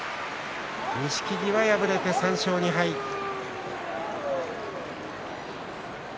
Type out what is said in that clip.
錦木は敗れて３勝２敗です。